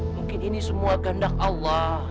mungkin ini semua kehendak allah